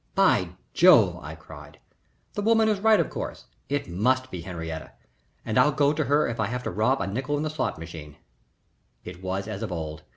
"By Jove!" I cried. "The woman is right, of course. It must be Henriette, and I'll go to her if I have to rob a nickel in the slot machine." It was as of old.